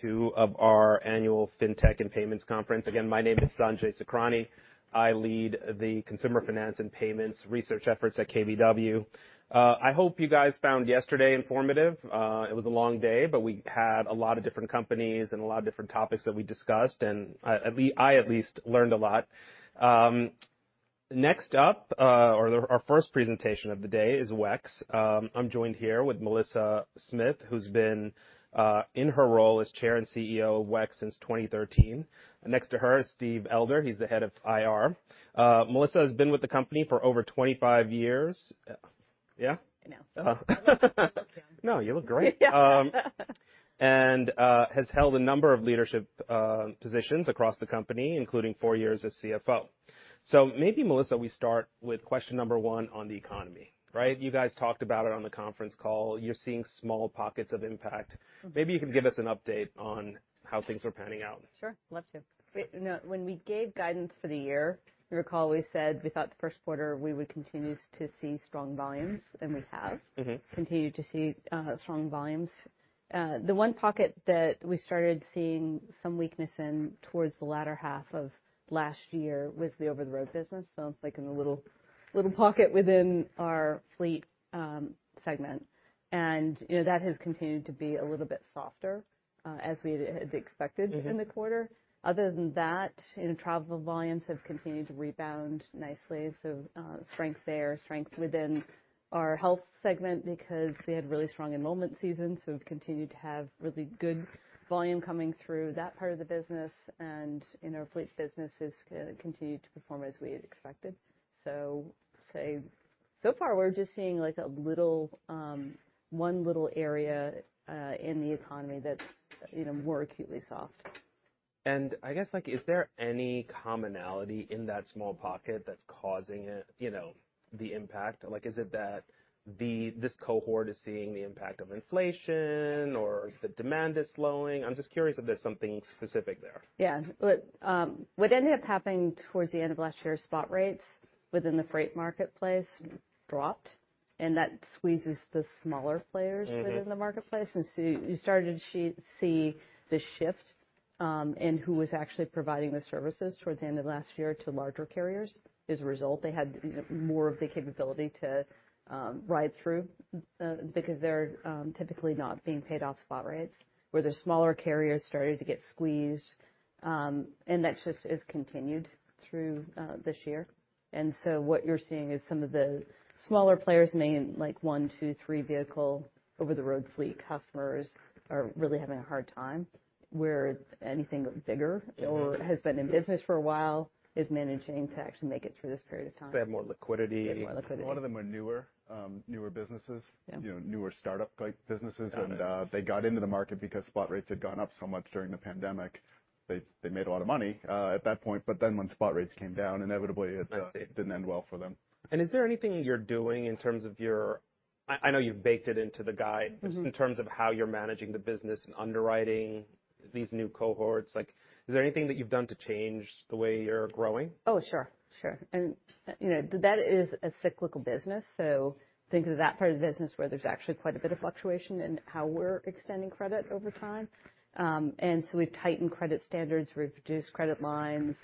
Two of our annual KBW Fintech Payments Conference. My name is Sanjay Sakhrani. I lead the consumer finance and payments research efforts at KBW. I hope you guys found yesterday informative. It was a long day, but we had a lot of different companies and a lot of different topics that we discussed, and I at least learned a lot. Next up, or our first presentation of the day is WEX. I'm joined here with Melissa Smith, who's been in her role as Chair and Chief Executive Officer of WEX since 2013. Next to her is Steven Elder. He's the head of IR. Melissa has been with the company for over 25 years. Yeah? I know. No, you look great. Has held a number of leadership positions across the company, including four years as CFO. Maybe, Melissa, we start with question number one on the economy, right? You guys talked about it on the conference call. You're seeing small pockets of impact. Mm-hmm. Maybe you can give us an update on how things are panning out. Sure. Love to. When we gave guidance for the year, you recall we said we thought the first quarter we would continue to see strong volumes, we have. Mm-hmm. Continued to see strong volumes. The one pocket that we started seeing some weakness in towards the latter half of last year was the over-the-road business, so, like, in a little pocket within our fleet segment. You know, that has continued to be a little bit softer as we had expected. Mm-hmm ..in the quarter. Other than that, you know, travel volumes have continued to rebound nicely, so strength there. Strength within our health segment because we had really strong enrollment season, so we've continued to have really good volume coming through that part of the business. You know, our fleet business has continued to perform as we had expected. So far we're just seeing, like, a little one little area in the economy that's, you know, more acutely soft. I guess, like, is there any commonality in that small pocket that's causing it, you know, the impact? Like, is it that this cohort is seeing the impact of inflation or the demand is slowing? I'm just curious if there's something specific there. Yeah. Look, what ended up happening towards the end of last year's spot rates within the freight marketplace dropped. That squeezes the smaller players. Mm-hmm ...within the marketplace. You started to see the shift in who was actually providing the services towards the end of last year to larger carriers. As a result, they had, you know, more of the capability to ride through than, because they're typically not being paid off spot rates. Where the smaller carriers started to get squeezed, and that just has continued through this year. What you're seeing is some of the smaller players, main like 1, 2, 3 vehicle over the road fleet customers are really having a hard time. Where anything bigger or has been in business for a while is managing to actually make it through this period of time. They have more liquidity. They have more liquidity. A lot of them are newer businesses. Yeah. You know, newer startup-like businesses. Got it. They got into the market because spot rates had gone up so much during the pandemic. They made a lot of money, at that point. When spot rates came down, inevitably it. I see. ...didn't end well for them. Is there anything you're doing in terms of your? I know you've baked it into the. Mm-hmm in terms of how you're managing the business and underwriting these new cohorts. Like, is there anything that you've done to change the way you're growing? Sure. Sure. You know, that is a cyclical business, so think of that part of the business where there's actually quite a bit of fluctuation in how we're extending credit over time. We've tightened credit standards, we've reduced credit lines,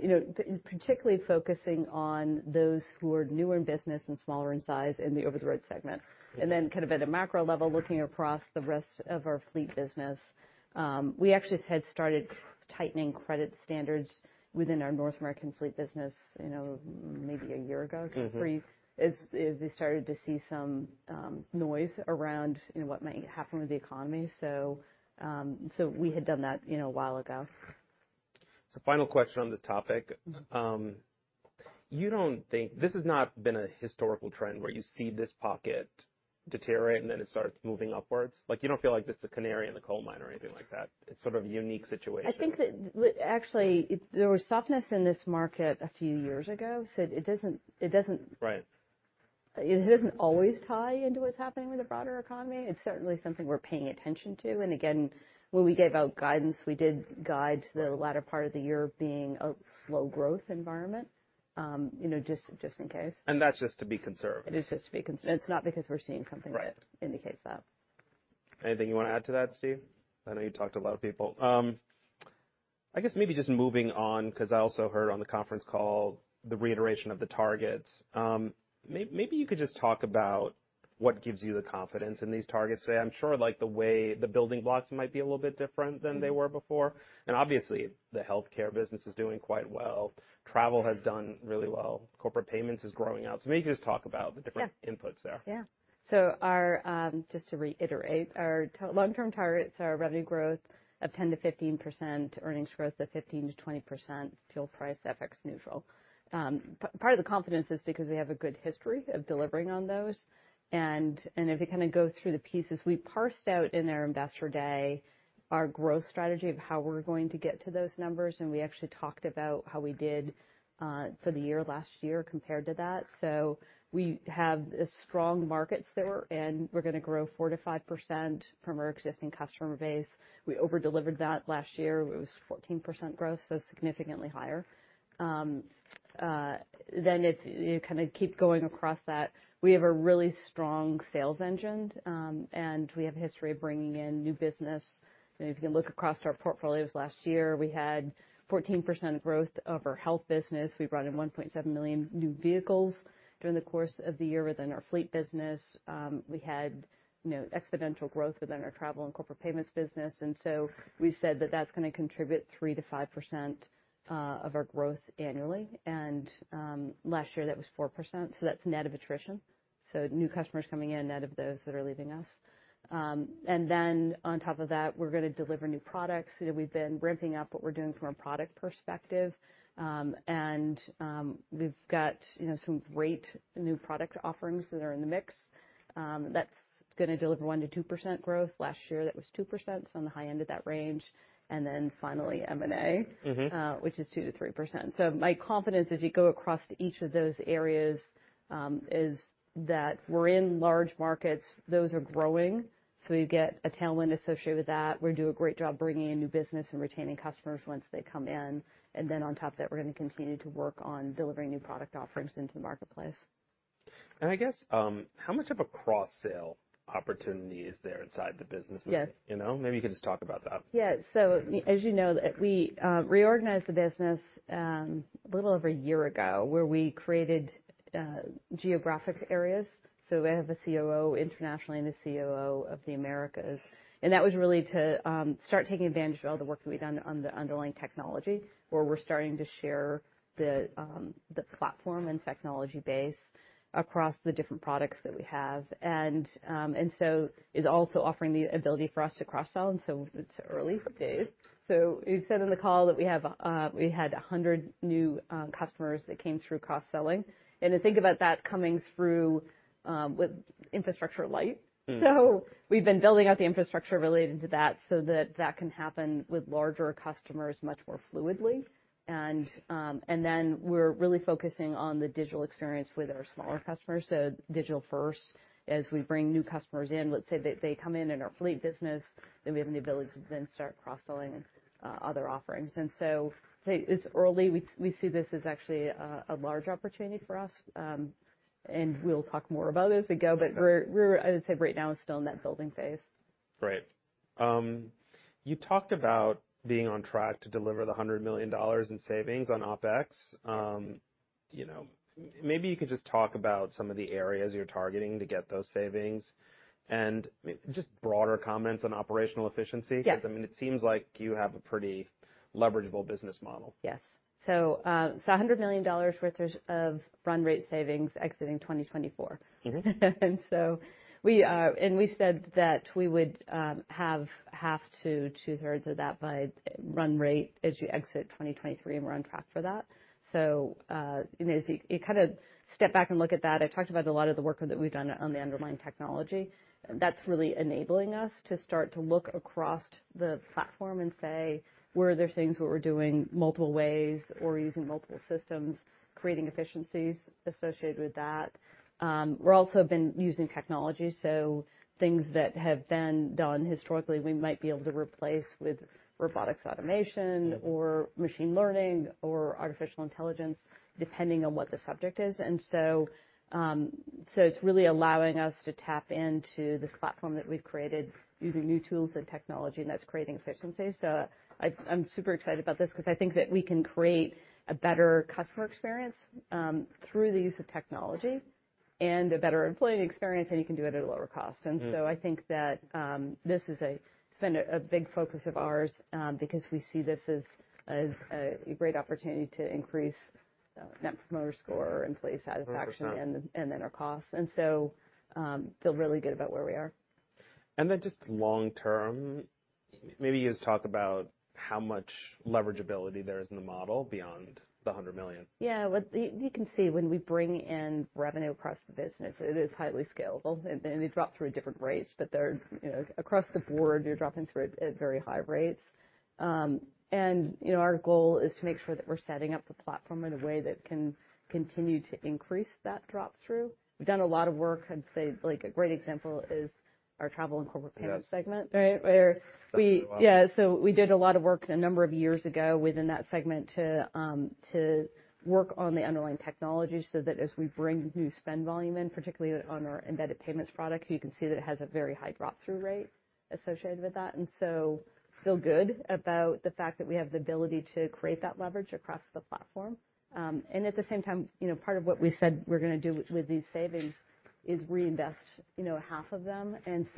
you know, particularly focusing on those who are newer in business and smaller in size in the over-the-road segment. Mm-hmm. kind of at a macro level, looking across the rest of our fleet business, we actually had started tightening credit standards within our North American fleet business, you know, maybe a year ago. Mm-hmm. As we started to see some noise around, you know, what might happen with the economy. We had done that, you know, a while ago. Final question on this topic. This has not been a historical trend where you see this pocket deteriorate, and then it starts moving upwards. Like, you don't feel like this is a canary in the coal mine or anything like that. It's sort of a unique situation. I think that actually there was softness in this market a few years ago, it doesn't. Right ...it doesn't always tie into what's happening with the broader economy. It's certainly something we're paying attention to. Again, when we gave out guidance, we did guide to the latter part of the year being a slow growth environment, you know, just in case. That's just to be conservative. It's not because we're seeing something- Right ...that indicates that. Anything you wanna add to that, Steve? I know you talked to a lot of people. I guess maybe just moving on, 'cause I also heard on the conference call the reiteration of the targets. Maybe you could just talk about what gives you the confidence in these targets today. I'm sure, like the way the building blocks might be a little bit different than they were before. Obviously the healthcare business is doing quite well. Travel has done really well. Corporate payments is growing out. Maybe just talk about the different. Yeah ...inputs there. Yeah. Our long-term targets are revenue growth of 10%-15%, earnings growth of 15%-20%, fuel price FX neutral. Part of the confidence is because we have a good history of delivering on those, and if we kinda go through the pieces, we parsed out in our investor day our growth strategy of how we're going to get to those numbers, and we actually talked about how we did for the year last year compared to that. We have a strong markets there, and we're gonna grow 4%-5% from our existing customer base. We over-delivered that last year. It was 14% growth, so significantly higher. It's, you kinda keep going across that. We have a really strong sales engine, and we have history of bringing in new business. You know, if you can look across our portfolios last year, we had 14% growth of our health business. We brought in 1.7 million new vehicles during the course of the year within our fleet business. We had, you know, exponential growth within our travel and corporate payments business, and so we said that that's gonna contribute 3%-5% of our growth annually. Last year that was 4%, so that's net of attrition, so new customers coming in, net of those that are leaving us. On top of that, we're gonna deliver new products. You know, we've been ramping up what we're doing from a product perspective. We've got, you know, some great new product offerings that are in the mix, that's gonna deliver 1%-2% growth. Last year, that was 2%, so on the high end of that range. Finally, M&A. Mm-hmm. which is 2%-3%. My confidence as you go across each of those areas, is that we're in large markets. Those are growing, so you get a tailwind associated with that. We do a great job bringing in new business and retaining customers once they come in. Then on top of that, we're gonna continue to work on delivering new product offerings into the marketplace. I guess, how much of a cross-sale opportunity is there inside the business? Yes. You know? Maybe you can just talk about that. Yeah. As you know, we reorganized the business a little over a year ago, where we created geographic areas. We have a COO internationally and a COO of the Americas. That was really to start taking advantage of all the work that we've done on the underlying technology, where we're starting to share the platform and technology base across the different products that we have. It's also offering the ability for us to cross-sell, and so it's early days. We've said on the call that we had 100 new customers that came through cross-selling. Think about that coming through with infrastructure light. Mm. We've been building out the infrastructure related to that so that that can happen with larger customers much more fluidly. We're really focusing on the digital experience with our smaller customers. Digital first as we bring new customers in. Let's say that they come in in our fleet business, then we have the ability to then start cross-selling other offerings. It's early. We see this as actually a large opportunity for us. We'll talk more about it as we go. Okay. We're, I would say right now we're still in that building phase. Right. You talked about being on track to deliver the $100 million in savings on OpEx. You know, maybe you could just talk about some of the areas you're targeting to get those savings, and just broader comments on operational efficiency. Yes. 'Cause, I mean, it seems like you have a pretty leverageable business model. Yes. A $100 million worth of run rate savings exiting 2024. Mm-hmm. We said that we would have half to two-thirds of that by run rate as you exit 2023, and we're on track for that. You know, as you kind of step back and look at that, I talked about a lot of the work that we've done on the underlying technology. That's really enabling us to start to look across the platform and say, where are there things where we're doing multiple ways or using multiple systems, creating efficiencies associated with that? We're also have been using technology, so things that have been done historically, we might be able to replace with robotics automation- Mm-hmm. -or machine learning or artificial intelligence, depending on what the subject is. It's really allowing us to tap into this platform that we've created using new tools and technology, and that's creating efficiencies. I'm super excited about this because I think that we can create a better customer experience, through the use of technology and a better employee experience, and you can do it at a lower cost. Mm. I think that, It's been a big focus of ours, because we see this as a great opportunity to increase Net Promoter Score, employee satisfaction. 100%. and then our costs. Feel really good about where we are. Just long term, maybe just talk about how much leverageability there is in the model beyond the $100 million? Yeah. You can see when we bring in revenue across the business, it is highly scalable. They drop through at different rates, but they're, you know, across the board, they're dropping through at very high rates. You know, our goal is to make sure that we're setting up the platform in a way that can continue to increase that drop through. We've done a lot of work. I'd say, like, a great example is our travel and corporate payments segment. Yes. Right? Where Talked about a while back. Yeah. We did a lot of work a number of years ago within that segment to work on the underlying technology so that as we bring new spend volume in, particularly on our Embedded Payments product, you can see that it has a very high drop through rate associated with that. Feel good about the fact that we have the ability to create that leverage across the platform. At the same time, you know, part of what we said we're gonna do with these savings is reinvest, you know, half of them. It's,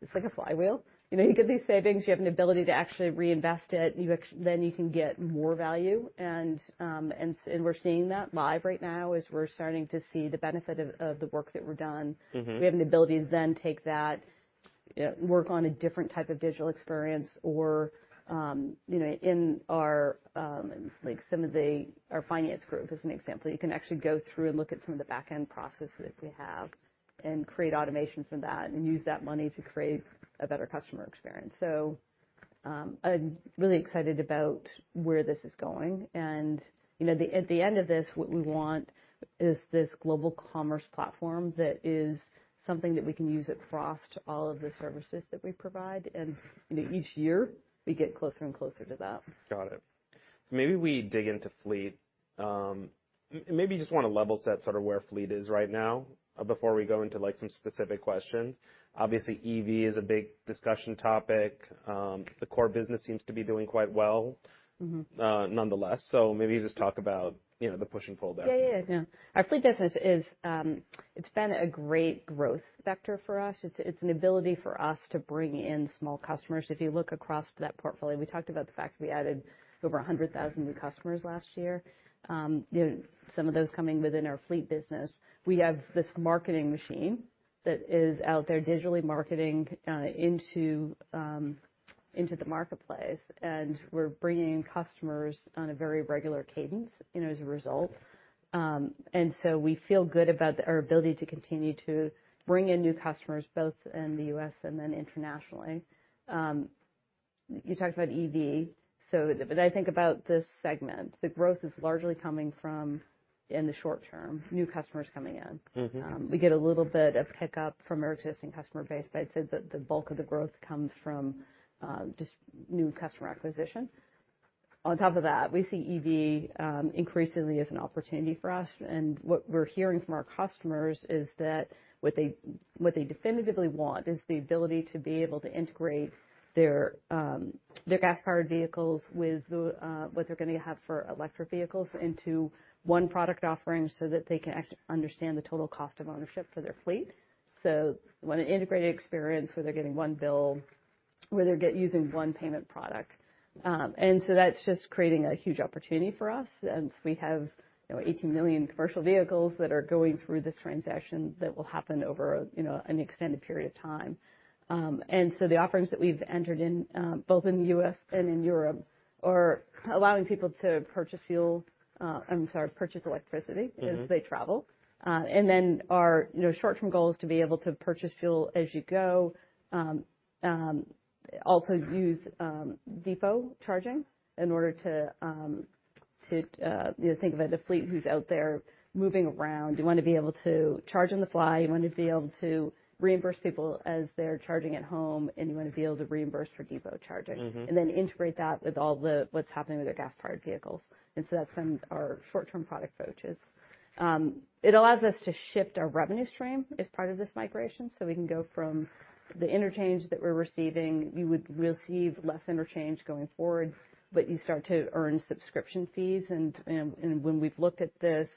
it's like a flywheel. You know, you get these savings, you have an ability to actually reinvest it. Then you can get more value. We're seeing that live right now as we're starting to see the benefit of the work that we've done. Mm-hmm. We have the ability to then take that, work on a different type of digital experience or, you know, in our finance group as an example, you can actually go through and look at some of the back-end processes we have and create automation from that and use that money to create a better customer experience. I'm really excited about where this is going. you know, at the end of this, what we want is this global commerce platform that is something that we can use across all of the services that we provide. you know, each year we get closer and closer to that. Got it. Maybe we dig into fleet. Maybe you just wanna level set sort of where fleet is right now before we go into, like, some specific questions. Obviously, EV is a big discussion topic. The core business seems to be doing quite well. Mm-hmm ...nonetheless. Maybe just talk about, you know, the push and pull there. Yeah, yeah. No. Our fleet business is, it's been a great growth vector for us. It's an ability for us to bring in small customers. If you look across that portfolio, we talked about the fact that we added over 100,000 new customers last year, some of those coming within our fleet business. We have this marketing machine that is out there digitally marketing into the marketplace, and we're bringing in customers on a very regular cadence, you know, as a result. We feel good about our ability to continue to bring in new customers both in the U.S. and then internationally. You talked about EV, but I think about this segment. The growth is largely coming from, in the short term, new customers coming in. Mm-hmm. We get a little bit of kick-up from our existing customer base, but I'd say that the bulk of the growth comes from just new customer acquisition. On top of that, we see EV increasingly as an opportunity for us, and what we're hearing from our customers is that what they, what they definitively want is the ability to be able to integrate their gas-powered vehicles with the what they're gonna have for electric vehicles into one product offering so that they can understand the total cost of ownership for their fleet. They want an integrated experience where they're getting one bill, where they're using one payment product. That's just creating a huge opportunity for us since we have, you know, 18 million commercial vehicles that are going through this transaction that will happen over, you know, an extended period of time. The offerings that we've entered in, both in the US and in Europe are allowing people to purchase fuel, I'm sorry, purchase electricity. Mm-hmm ...as they travel. Our, you know, short-term goal is to be able to purchase fuel as you go, also use depot charging in order to, you know, think of it a fleet who's out there moving around, you wanna be able to charge on the fly, you wanna be able to reimburse people as they're charging at home, and you wanna be able to reimburse for depot charging. Mm-hmm. Integrate that with all the what's happening with their gas-powered vehicles. That's been our short-term product approaches. It allows us to shift our revenue stream as part of this migration, so we can go from the interchange that we're receiving. You would receive less interchange going forward, but you start to earn subscription fees. When we've looked at this,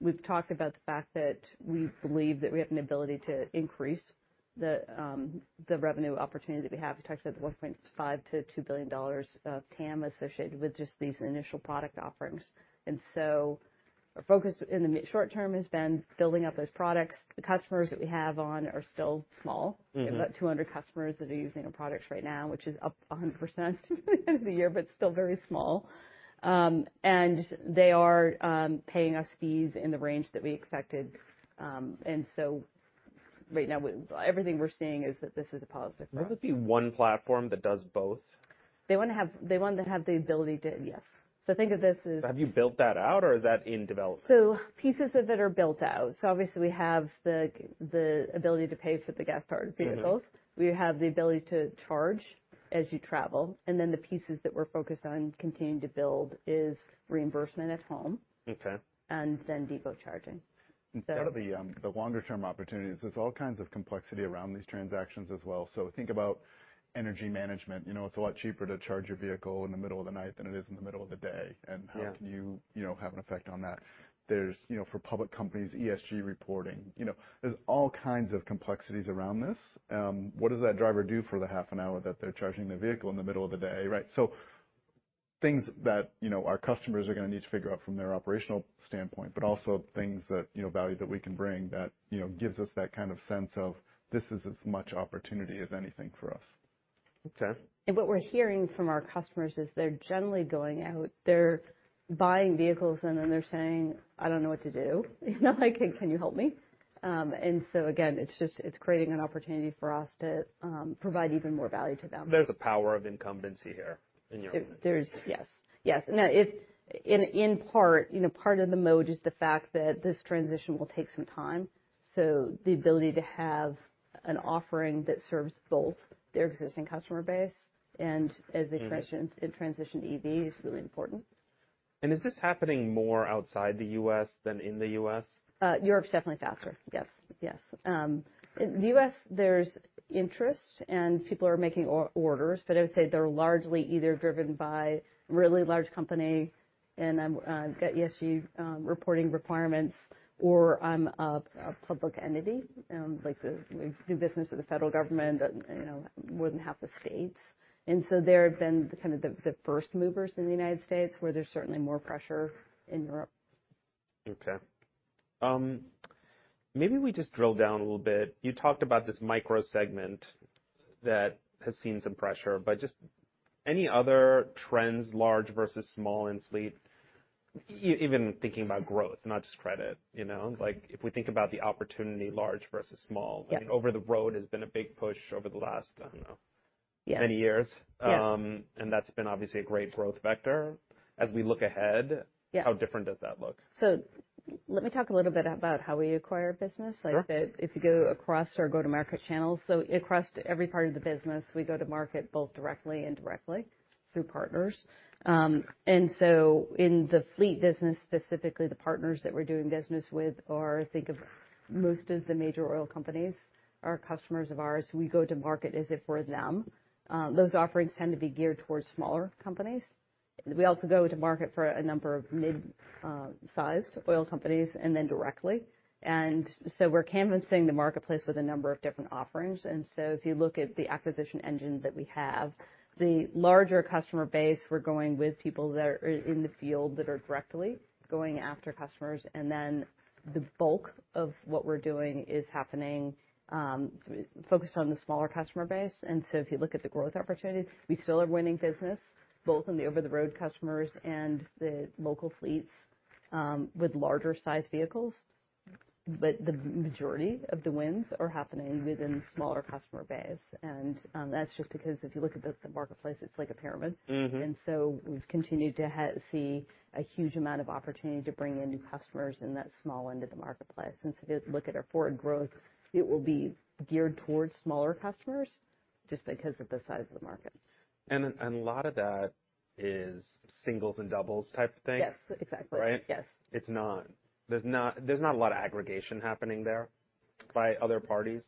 we've talked about the fact that we believe that we have an ability to increase the revenue opportunity that we have. We talked about the $1.5 billion-$2 billion of TAM associated with just these initial product offerings. Our focus in the mid short term has been building up those products. The customers that we have on are still small. Mm-hmm. We have about 200 customers that are using our products right now, which is up 100% in the year, but still very small. They are paying us fees in the range that we expected. Right now, everything we're seeing is that this is a positive for us. Will there be one platform that does both? They want to have the ability to, yes. Think of this. Have you built that out or is that in development? Pieces of it are built out. Obviously we have the ability to pay for the gas-powered vehicles. Mm-hmm. We have the ability to charge as you travel, and then the pieces that we're focused on continuing to build is reimbursement at home. Okay. depot charging. Instead of the longer term opportunities, there's all kinds of complexity around these transactions as well. Think about energy management. You know, it's a lot cheaper to charge your vehicle in the middle of the night than it is in the middle of the day. Yeah. How can you know, have an effect on that? There's, you know, for public companies, ESG reporting. You know, there's all kinds of complexities around this. What does that driver do for the half an hour that they're charging their vehicle in the middle of the day, right? Things that, you know, our customers are gonna need to figure out from their operational standpoint, but also things that, you know, value that we can bring that, you know, gives us that kind of sense of this is as much opportunity as anything for us. Okay. What we're hearing from our customers is they're generally going out, they're buying vehicles and then they're saying, "I don't know what to do." You know, like, "Can you help me?" Again, it's just, it's creating an opportunity for us to provide even more value to them. There's a power of incumbency here in your opinion? Yes. If in part, you know, part of the mode is the fact that this transition will take some time, the ability to have an offering that serves both their existing customer base. Mm-hmm ...transition, in transition to EV is really important. Is this happening more outside the U.S. than in the U.S.? Europe's definitely faster. Yes. Yes. In the U.S., there's interest, and people are making orders, but I would say they're largely either driven by really large company and got ESG reporting requirements or a public entity like, we do business with the federal government and, you know, more than half the states. There have been the kind of first movers in the United States, where there's certainly more pressure in Europe. Maybe we just drill down a little bit. You talked about this micro segment that has seen some pressure, but just any other trends, large versus small in fleet, even thinking about growth, not just credit, you know? Like if we think about the opportunity, large versus small... Yeah ...I mean, over the road has been a big push over the last, I don't know. Yeah many years. Yeah. That's been obviously a great growth vector. As we look ahead... Yeah How different does that look? Let me talk a little bit about how we acquire business. Sure. If you go across our go-to-market channels, so across every part of the business, we go to market both directly and directly through partners. In the fleet business, specifically the partners that we're doing business with are, think of most of the major oil companies are customers of ours, we go to market as if we're them. Those offerings tend to be geared towards smaller companies. We also go to market for a number of mid-sized oil companies and then directly. We're canvassing the marketplace with a number of different offerings. If you look at the acquisition engine that we have. The larger customer base, we're going with people that are in the field that are directly going after customers. The bulk of what we're doing is happening, focused on the smaller customer base. If you look at the growth opportunity, we still are winning business both in the over-the-road customers and the local fleets, with larger sized vehicles. The majority of the wins are happening within smaller customer base. That's just because if you look at the marketplace, it's like a pyramid. Mm-hmm. We've continued to see a huge amount of opportunity to bring in new customers in that small end of the marketplace. If you look at our forward growth, it will be geared towards smaller customers just because of the size of the market. A lot of that is singles and doubles type thing? Yes, exactly. Right. Yes. There's not a lot of aggregation happening there by other parties.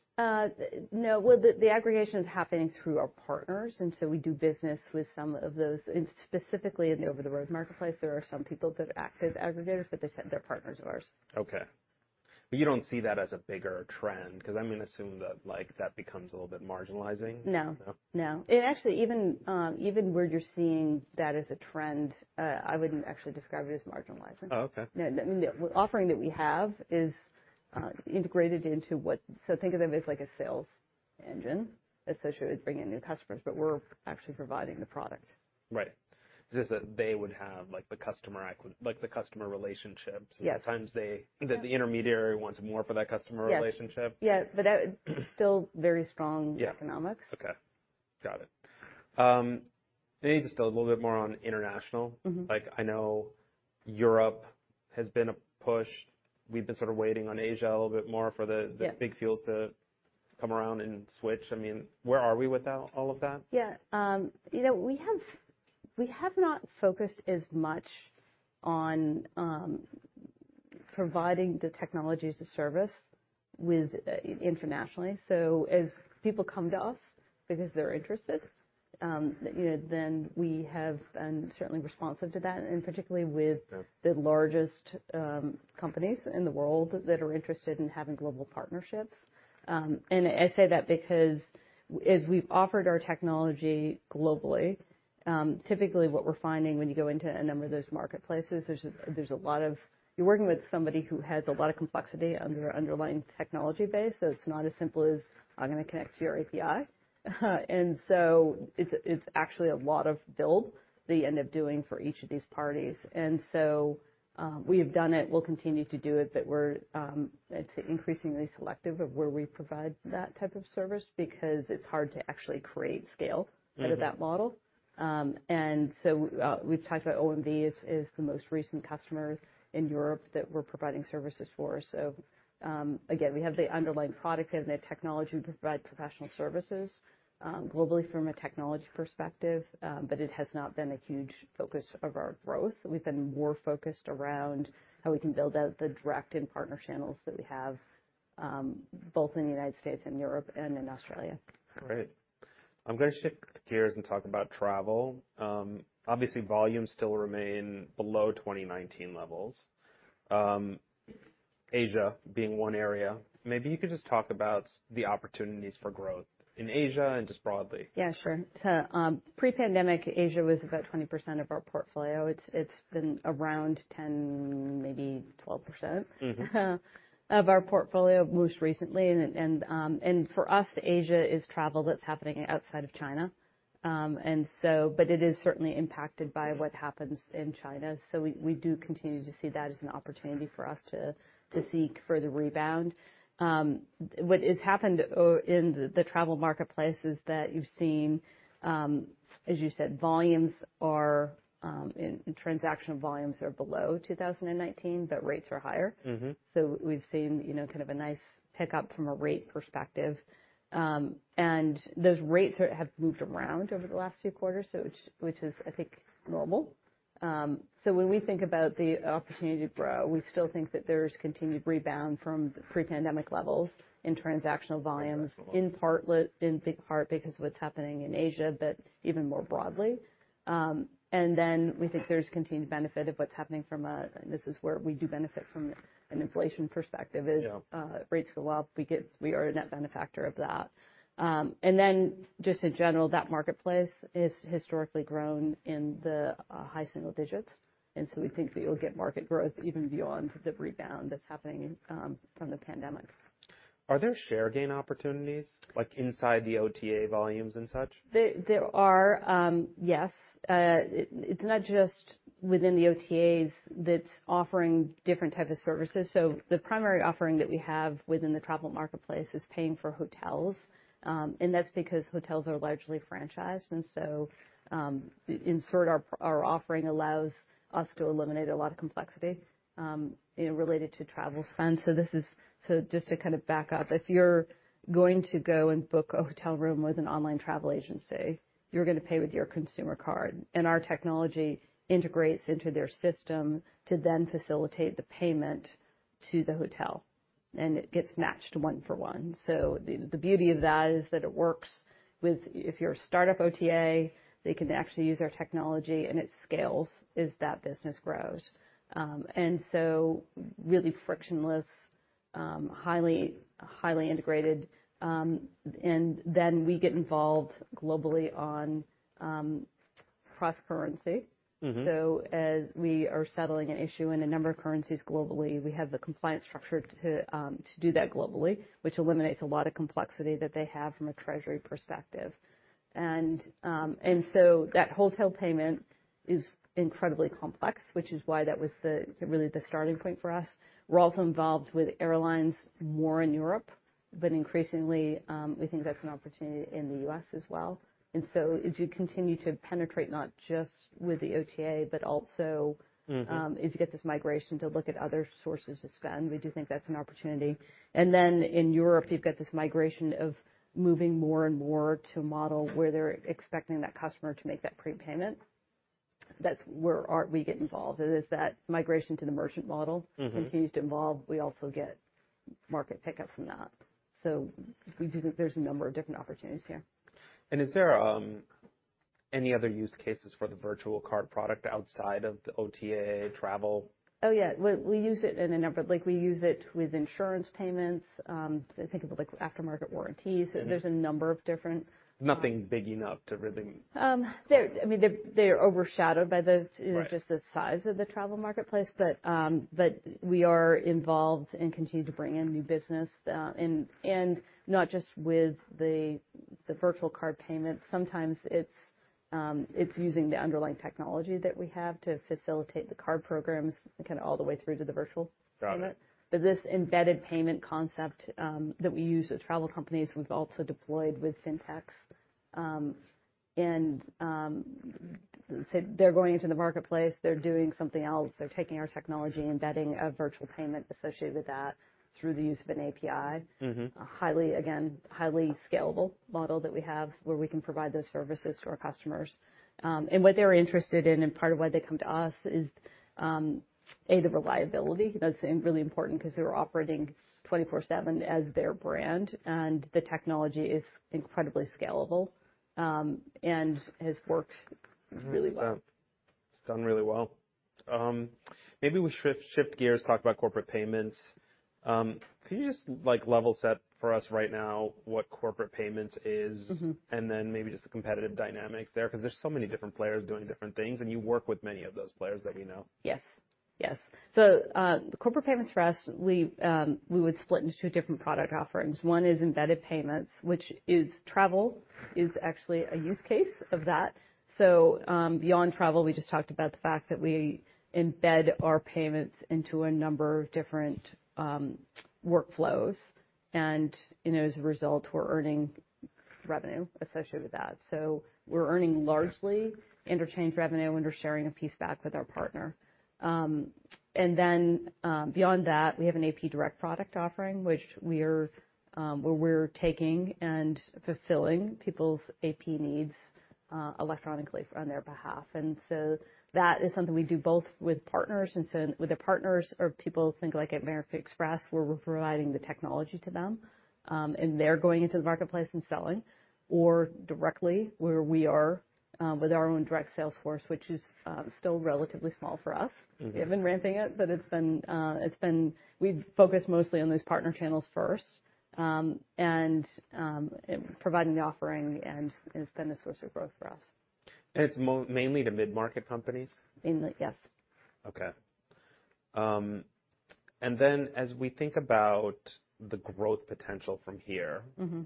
No. Well, the aggregation is happening through our partners. We do business with some of those. Specifically in the over-the-road marketplace, there are some people that are active aggregators, but they're partners of ours. Okay. You don't see that as a bigger trend, 'cause I'm gonna assume that, like, that becomes a little bit marginalizing. No. No? No. Actually, even where you're seeing that as a trend, I wouldn't actually describe it as marginalizing. Oh, okay. No. The offering that we have is integrated into. Think of them as like a sales engine associated with bringing new customers, but we're actually providing the product. Right. It's just that they would have, like, the customer relationships. Yes. At times The intermediary wants more for that customer relationship. Yes. Yeah, but that, still very strong. Yeah economics. Okay. Got it. Maybe just a little bit more on international. Mm-hmm. Like, I know Europe has been a push. We've been sort of waiting on Asia a little bit more. Yeah... the big fuels to come around and switch. I mean, where are we with that, all of that? Yeah. You know, we have not focused as much on providing the technology as a service with internationally. As people come to us because they're interested, then, you know, we have been certainly responsive to that, and particularly. Yeah the largest companies in the world that are interested in having global partnerships. I say that because as we've offered our technology globally, typically what we're finding when you go into a number of those marketplaces, there's a lot of complexity under their underlying technology base, so it's not as simple as, I'm gonna connect to your API. It's actually a lot of build that you end up doing for each of these parties. We have done it, we'll continue to do it, but we're increasingly selective of where we provide that type of service because it's hard to actually create scale. Mm-hmm... out of that model. We've talked about OMV as the most recent customer in Europe that we're providing services for. Again, we have the underlying product and the technology. We provide professional services globally from a technology perspective, but it has not been a huge focus of our growth. We've been more focused around how we can build out the direct and partner channels that we have, both in the United States and Europe and in Australia. Great. I'm gonna shift gears and talk about travel. Obviously volume still remain below 2019 levels. Asia being one area. Maybe you could just talk about the opportunities for growth in Asia and just broadly? Yeah, sure. Pre-pandemic, Asia was about 20% of our portfolio. It's been around 10, maybe 12%. Mm-hmm... of our portfolio most recently. For us, Asia is travel that's happening outside of China. It is certainly impacted by what happens in China. We do continue to see that as an opportunity for us to seek further rebound. What has happened in the travel marketplace is that you've seen, as you said, volumes are, and transaction volumes are below 2019, but rates are higher. Mm-hmm. We've seen, you know, kind of a nice pickup from a rate perspective. Those rates have moved around over the last few quarters, which is I think normal. When we think about the opportunity to grow, we still think that there's continued rebound from pre-pandemic levels in transactional volumes- Transactional volumes... in big part because of what's happening in Asia, but even more broadly. Then we think there's continued benefit of what's happening from a... This is where we do benefit from an inflation perspective is Yeah... rates go up, we are a net benefactor of that. Just in general, that marketplace has historically grown in the high single digits. We think that you'll get market growth even beyond the rebound that's happening from the pandemic. Are there share gain opportunities, like inside the OTA volumes and such? There are, yes. It's not just within the OTAs that's offering different type of services. The primary offering that we have within the travel marketplace is paying for hotels, and that's because hotels are largely franchised. In short, our offering allows us to eliminate a lot of complexity, you know, related to travel spend. Just to kind of back up, if you're going to go and book a hotel room with an online travel agency, you're gonna pay with your consumer card, and our technology integrates into their system to then facilitate the payment to the hotel, and it gets matched one for one. The beauty of that is that it works with If you're a startup OTA, they can actually use our technology, and it scales as that business grows. Really frictionless. Highly integrated, and then we get involved globally on cross currency. Mm-hmm. As we are settling an issue in a number of currencies globally, we have the compliance structure to do that globally, which eliminates a lot of complexity that they have from a treasury perspective. That wholesale payment is incredibly complex, which is why that was really the starting point for us. We're also involved with airlines more in Europe, but increasingly, we think that's an opportunity in the U.S. as well. As you continue to penetrate not just with the OTA but also- Mm-hmm.... as you get this migration to look at other sources to spend, we do think that's an opportunity. In Europe, you've got this migration of moving more and more to a model where they're expecting that customer to make that prepayment. That's where we get involved is that migration to the merchant model. Mm-hmm.... continues to evolve. We also get market pickup from that. We do think there's a number of different opportunities here. Is there any other use cases for the virtual card product outside of the OTA travel? Oh, yeah. Like, we use it with insurance payments, so think of it like aftermarket warranties. Mm-hmm. There's a number of different- Nothing big enough to really. I mean, they're overshadowed by the- Right... just the size of the travel marketplace, but we are involved and continue to bring in new business. Not just with the virtual card payment. Sometimes it's using the underlying technology that we have to facilitate the card programs kind of all the way through to the virtual payment. Got it. This embedded payment concept, that we use with travel companies, we've also deployed with FinTechs. Say they're going into the marketplace, they're doing something else, they're taking our technology and embedding a virtual payment associated with that through the use of an API. Mm-hmm. A highly, again, highly scalable model that we have where we can provide those services to our customers. What they're interested in and part of why they come to us is A, the reliability. That's really important 'cause they're operating 24/7 as their brand, and the technology is incredibly scalable and has worked really well. Yeah. It's done really well. Maybe we shift gears, talk about corporate payments. Can you just, like, level set for us right now what corporate payments is? Mm-hmm. Maybe just the competitive dynamics there, 'cause there's so many different players doing different things, and you work with many of those players that we know. Yes. Yes. The corporate payments for us, we would split into two different product offerings. One is Embedded Payments, which is travel is actually a use case of that. Beyond travel, we just talked about the fact that we embed our payments into a number of different workflows. You know, as a result, we're earning revenue associated with that. We're earning largely interchange revenue and are sharing a piece back with our partner. Then, beyond that, we have an AP Direct product offering, which we're where we're taking and fulfilling people's AP needs electronically for, on their behalf. That is something we do both with partners, and so with the partners or people think like American Express, where we're providing the technology to them, and they're going into the marketplace and selling, or directly, where we are, with our own direct sales force, which is, still relatively small for us. Mm-hmm. We have been ramping it. We've focused mostly on those partner channels first, and providing the offering and it's been a source of growth for us. It's mainly the mid-market companies? In the. Yes. Okay. As we think about the growth potential from here. Mm-hmm....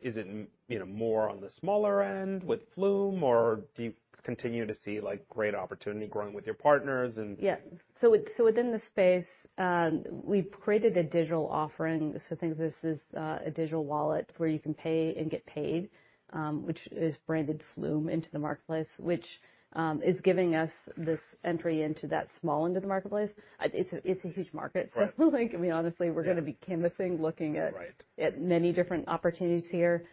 is it, you know, more on the smaller end with Flume, or do you continue to see, like, great opportunity growing with your parners? Yeah. Within the space, we've created a digital offering. Think of this as a digital wallet where you can pay and get paid, which is branded Flume into the marketplace, which is giving us this entry into that small end of the marketplace. It's a huge market. Right. like I mean, honestly, we're gonna be canvassing. Right... at many different opportunities here.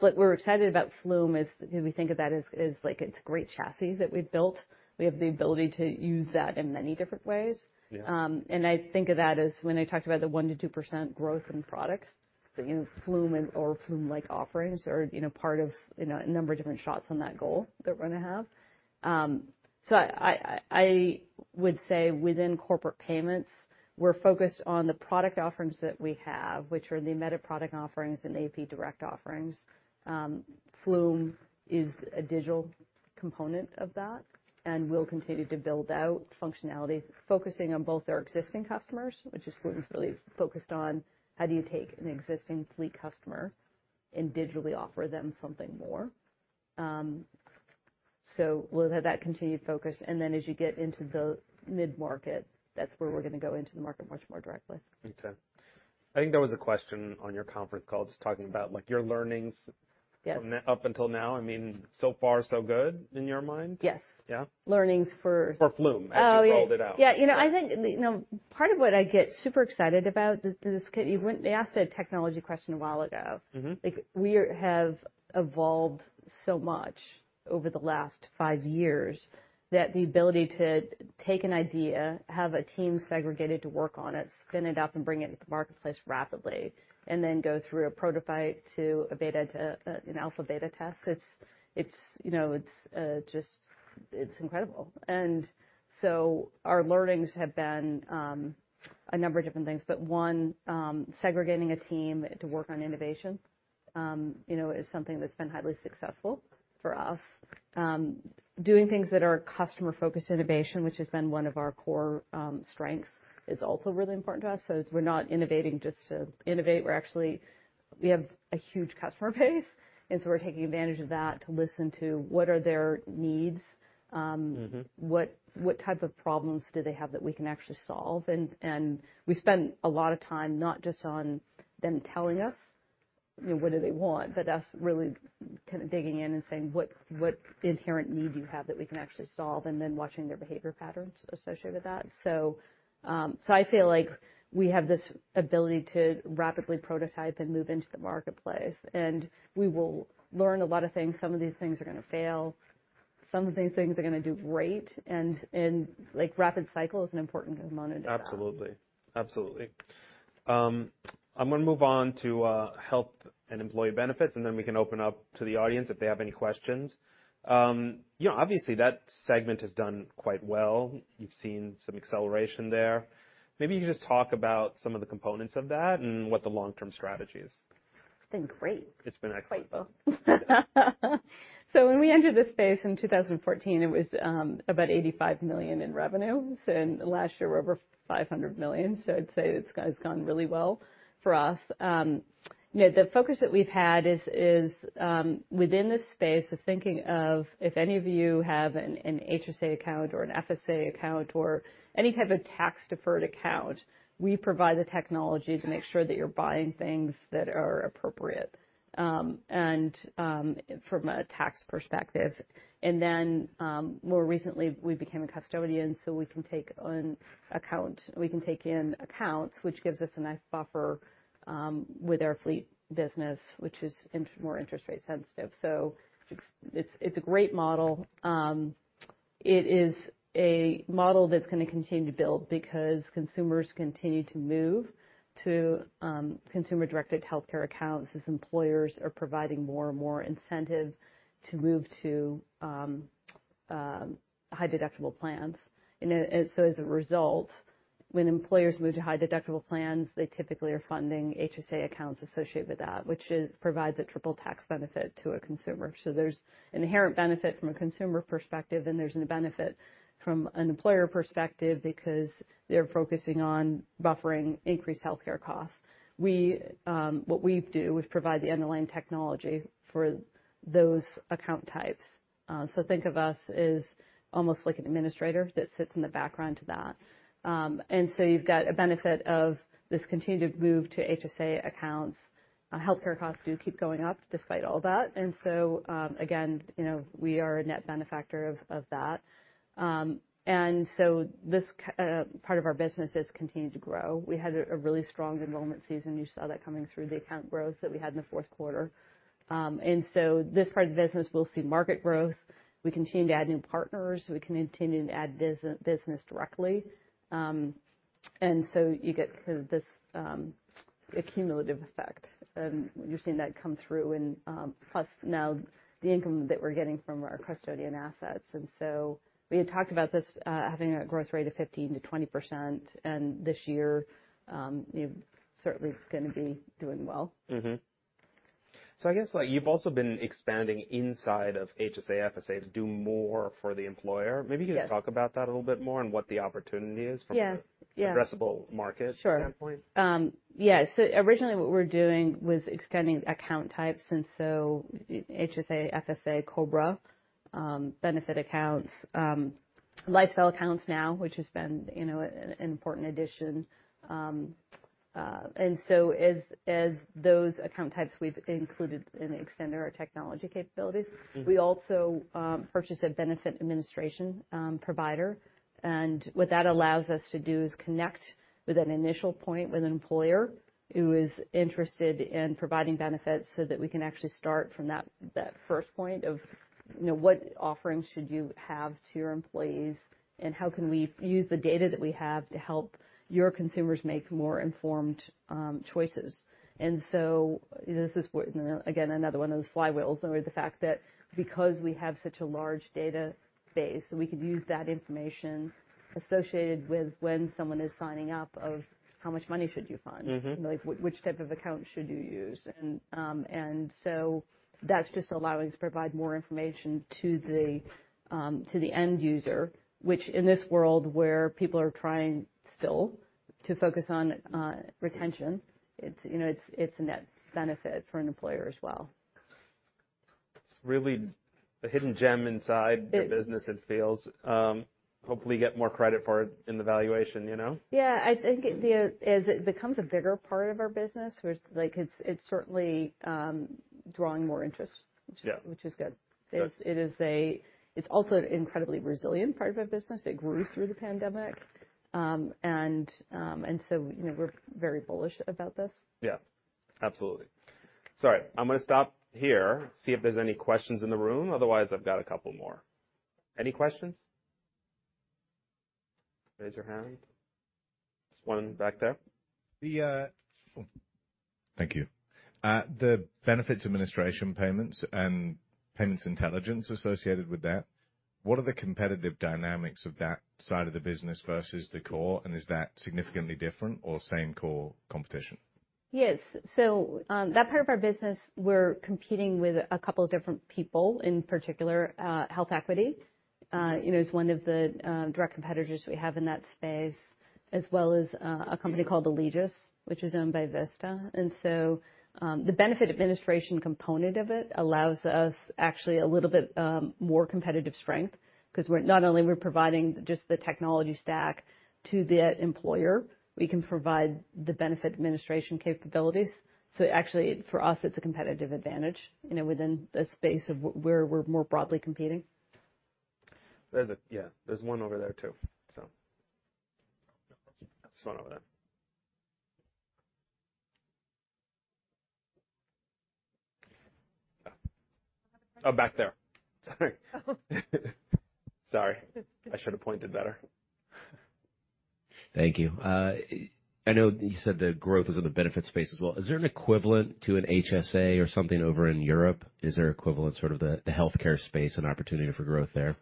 We're excited about Flume is we think of that as like it's a great chassis that we've built. We have the ability to use that in many different ways. Yeah. I think of that as when I talked about the 1%-2% growth in products, so use Flume or Flume-like offerings or, you know, part of, you know, a number of different shots on that goal that we're gonna have. I would say within corporate payments, we're focused on the product offerings that we have, which are the embedded product offerings and AP Direct offerings. Flume is a digital component of that and we'll continue to build out functionality focusing on both our existing customers, which is Flume's really focused on how do you take an existing fleet customer and digitally offer them something more. We'll have that continued focus, and then as you get into the mid-market, that's where we're gonna go into the market much more directly. Okay. I think there was a question on your conference call just talking about, like, your learnings- Yes... from up until now. I mean, so far so good in your mind? Yes. Yeah? Learnings for. For Flume. Oh, yeah.... as you rolled it out. Yeah. You know, I think, you know, part of what I get super excited about this. You went. They asked a technology question a while ago. Mm-hmm. Like, we're have evolved so much over the last five years that the ability to take an idea, have a team segregated to work on it, spin it up, and bring it to the marketplace rapidly, and then go through a prototype to a beta to an alpha beta test, it's, you know, it's just incredible. Our learnings have been a number of different things, but one, segregating a team to work on innovation, you know, is something that's been highly successful for us. Doing things that are customer-focused innovation, which has been one of our core strengths, is also really important to us. It's we're not innovating just to innovate. We're actually. We have a huge customer base, and so we're taking advantage of that to listen to what are their needs. Mm-hmm. What type of problems do they have that we can actually solve? We spend a lot of time not just on them telling us, you know, what do they want, but us really kind of digging in and saying, "What inherent need do you have that we can actually solve?" Then watching their behavior patterns associated with that. I feel like we have this ability to rapidly prototype and move into the marketplace, and we will learn a lot of things. Some of these things are gonna fail, some of these things are gonna do great, and like, rapid cycle is an important component of that. Absolutely. Absolutely. I'm gonna move on to health and employee benefits, then we can open up to the audience if they have any questions. You know, obviously that segment has done quite well. You've seen some acceleration there. Maybe you can just talk about some of the components of that and what the long-term strategy is. It's been great. It's been excellent. Quite well. When we entered this space in 2014, it was about $85 million in revenue, and last year we were $500 million. I'd say it's gone really well for us. You know, the focus that we've had is within this space of thinking of if any of you have an HSA account or an FSA account or any type of tax-deferred account, we provide the technology to make sure that you're buying things that are appropriate, and from a tax perspective. More recently we became a custodian, so we can take in accounts, which gives us a nice buffer with our fleet business, which is more interest rate sensitive. It's a great model. It is a model that's gonna continue to build because consumers continue to move to consumer directed healthcare accounts as employers are providing more and more incentive to move to high-deductible plans. As a result, when employers move to high-deductible plans, they typically are funding HSA accounts associated with that, which is provides a triple tax benefit to a consumer. There's inherent benefit from a consumer perspective, and there's a benefit from an employer perspective because they're focusing on buffering increased healthcare costs. What we do is provide the underlying technology for those account types. So think of us as almost like an administrator that sits in the background to that. You've got a benefit of this continued move to HSA accounts. Healthcare costs do keep going up despite all that. Again, you know, we are a net benefactor of that. This part of our business has continued to grow. We had a really strong enrollment season. You saw that coming through the account growth that we had in the fourth quarter. This part of the business, we'll see market growth. We continue to add new partners. We continue to add business directly. You get sort of this accumulative effect, and you're seeing that come through. Plus now the income that we're getting from our custodian assets. We had talked about this, having a growth rate of 15%-20%, and this year, you know, certainly gonna be doing well. I guess, like, you've also been expanding inside of HSA, FSA to do more for the employer. Yes. Maybe you could talk about that a little bit more and what the opportunity is from. Yeah. Yeah. addressable market standpoint. Sure. Yeah. Originally what we're doing was extending account types, and so, HSA, FSA, COBRA, benefit accounts, lifestyle accounts now, which has been, you know, an important addition. As those account types we've included and extended our technology capabilities. Mm-hmm. We also purchased a benefit administration provider. What that allows us to do is connect with an initial point with an employer who is interested in providing benefits, so that we can actually start from that first point of, you know, what offerings should you have to your employees, and how can we use the data that we have to help your consumers make more informed choices. You know, again, another one of those flywheels or the fact that because we have such a large database, so we can use that information associated with when someone is signing up of how much money should you fund. Mm-hmm. Like which type of account should you use? That's just allowing us to provide more information to the end user, which in this world where people are trying still to focus on retention, it's, you know, it's a net benefit for an employer as well. It's really a hidden gem inside- It- the business, it feels. Hopefully you get more credit for it in the valuation, you know? I think it, as it becomes a bigger part of our business, like, it's certainly drawing more interest. Yeah. which is good. Good. It's also an incredibly resilient part of our business. It grew through the pandemic. You know, we're very bullish about this. Yeah. Absolutely. Sorry, I'm gonna stop here, see if there's any questions in the room. Otherwise, I've got a couple more. Any questions? Raise your hand. There's one back there. Thank you. The benefits administration payments and payments intelligence associated with that. What are the competitive dynamics of that side of the business versus the core, and is that significantly different or same core competition? Yes. That part of our business, we're competing with a couple different people. In particular, HealthEquity, you know, is one of the direct competitors we have in that space, as well as a company called Alegeus, which is owned by Vista. The benefit administration component of it allows us actually a little bit more competitive strength 'cause not only we're providing just the technology stack to the employer, we can provide the benefit administration capabilities. Actually for us it's a competitive advantage, you know, within the space of where we're more broadly competing. Yeah, there's one over there, too. This one over there. Oh, back there. Sorry. Sorry. I should have pointed better. Thank you. I know that you said the growth is in the benefits space as well. Is there an equivalent to an HSA or something over in Europe? Is there equivalent, sort of the healthcare space, an opportunity for growth there?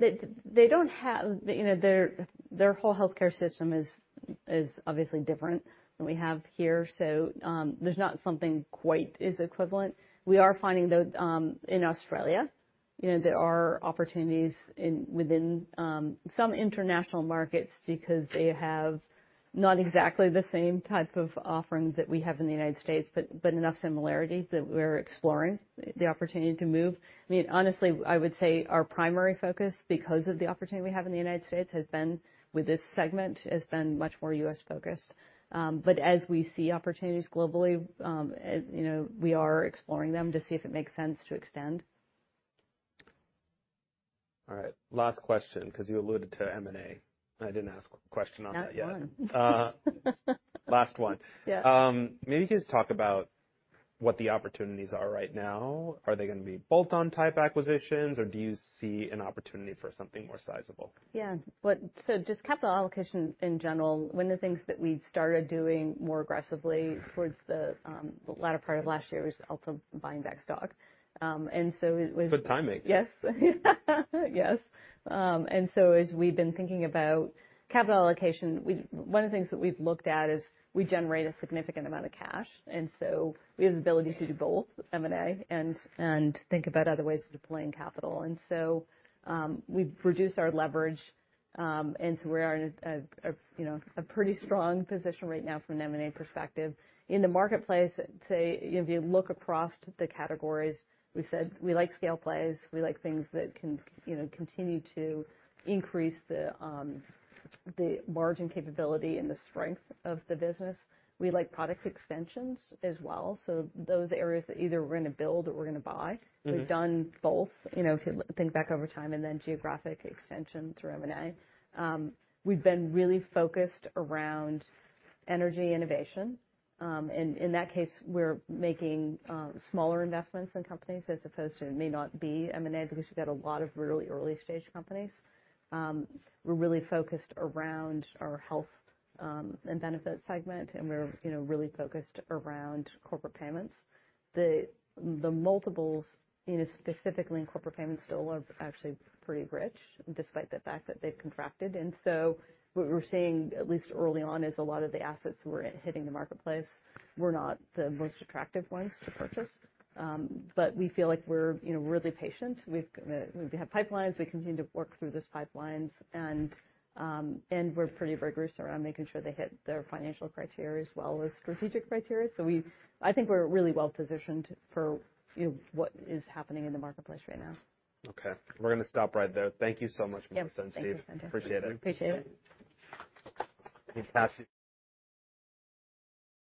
They, they don't have... You know, their whole healthcare system is obviously different than we have here. There's not something quite as equivalent. We are finding, though, in Australia, you know, there are opportunities in, within, some international markets because they have not exactly the same type of offerings that we have in the United States, but enough similarities that we're exploring the opportunity to move. I mean, honestly, I would say our primary focus, because of the opportunity we have in the United States, has been, with this segment, has been much more US-focused. As we see opportunities globally, you know, we are exploring them to see if it makes sense to extend. All right. Last question, 'cause you alluded to M&A, and I didn't ask a question on that yet. Last one. Last one. Yeah. Maybe just talk about what the opportunities are right now. Are they gonna be bolt-on type acquisitions, or do you see an opportunity for something more sizable? Yeah. Just capital allocation in general, one of the things that we'd started doing more aggressively towards the latter part of last year was also buying back stock. Good timing. Yes. Yes. As we've been thinking about capital allocation, one of the things that we've looked at is we generate a significant amount of cash, and we have the ability to do both M&A and think about other ways of deploying capital. We've reduced our leverage, we are in a, you know, a pretty strong position right now from an M&A perspective. In the marketplace, say, if you look across the categories, we've said we like scale plays. We like things that can, you know, continue to increase the margin capability and the strength of the business. We like product extensions as well, so those areas that either we're gonna build or we're gonna buy. Mm-hmm. We've done both, you know, if you think back over time, and then geographic extension through M&A. We've been really focused around energy innovation. In that case, we're making smaller investments in companies as opposed to it may not be M&A because you've got a lot of really early stage companies. We're really focused around our health and benefit segment and we're, you know, really focused around corporate payments. The, the multiples, you know, specifically in corporate payments still are actually pretty rich, despite the fact that they've contracted. What we're seeing, at least early on, is a lot of the assets that were hitting the marketplace were not the most attractive ones to purchase. We feel like we're, you know, really patient. We have pipelines. We continue to work through those pipelines and we're pretty rigorous around making sure they hit their financial criteria as well as strategic criteria. I think we're really well-positioned for, you know, what is happening in the marketplace right now. We're gonna stop right there. Thank you so much, Melissa and Steve. Yep. Thank you. Appreciate it. Appreciate it. Cassie.